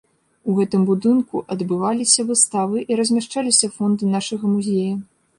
У гэтым будынку адбываліся выставы і размяшчаліся фонды нашага музея.